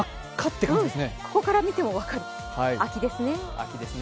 ここから見ても分かる秋ですね。